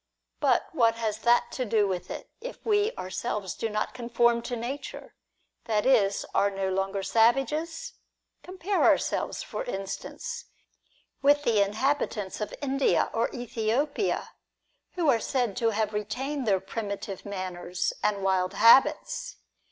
But what has that to do with it, if we ourselves do not conform to nature ; that is, are no longer savages ? Compare ourselves, for instance, with the inhabitants of India or Ethiopia, who are said to have retained their primitive manners and IQO DIALOGUE BETWEEN wild habits.